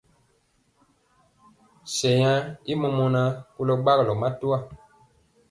Sɛŋ yaŋ i mɔmɔnaa kolɔ gbagɔlɔ matwa.